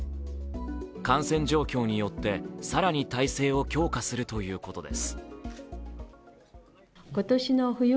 感染状況によって、更に体制を強化するということです。